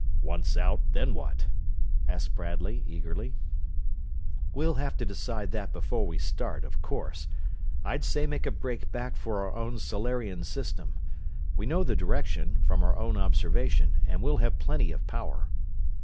"Once out, then what?" asked Bradley, eagerly. "We'll have to decide that before we start, of course. I'd say make a break back for our own Solarian system. We know the direction, from our own observation, and we'll have plenty of power."